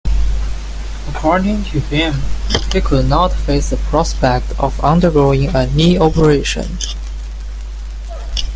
According to him, he 'could not face the prospect of undergoing a knee operation'.